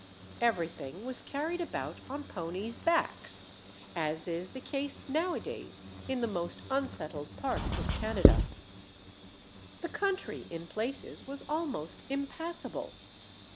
Everything was carried about on ponies' backs, as is the case nowadays in the most unsettled parts of Canada. The country in places was almost impassable.